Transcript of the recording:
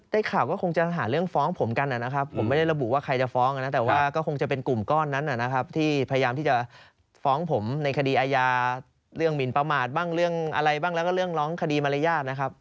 ข่าวก็คงจะหาเรื่องฟ้องผมกันนะครับผมไม่ได้ระบุว่าใครจะฟ้องนะแต่ว่าก็คงจะเป็นกลุ่มก้อนนั้นนะครับที่พยายามที่จะฟ้องผมในคดีอาญาเรื่องหมินประมาทบ้างเรื่องอะไรบ้างแล้วก็เรื่องร้องคดีมารยาทนะครับ